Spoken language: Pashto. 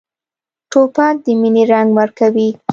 توپک د مینې رنګ ورکوي.